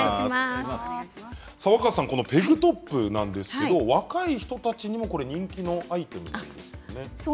このペグトップなんですが若い人たちにも人気のアイテムなんですね。